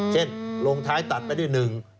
ลงท้ายตัดไปด้วยหนึ่ง